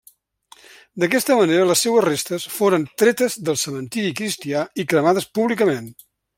D'aquesta manera, les seues restes foren tretes del cementiri cristià i cremades públicament.